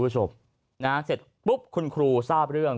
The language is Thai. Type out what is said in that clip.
เสร็จปุ๊บคุณครูทราบเรื่อง